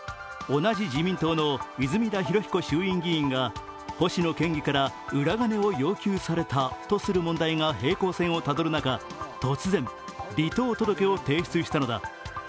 同じ自民党の泉田裕彦衆議院議員が星野県議から裏金を要求されたとする問題が平行線をたどる中、突然、離党届を提出したのだ。